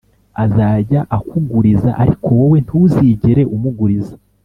azajya akuguriza, ariko wowe ntuzigera umuguriza.